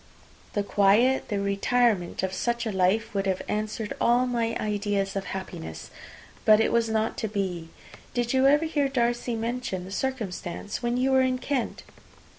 The quiet, the retirement of such a life, would have answered all my ideas of happiness! But it was not to be. Did you ever hear Darcy mention the circumstance when you were in Kent?"